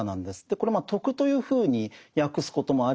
これ「徳」というふうに訳すこともありますが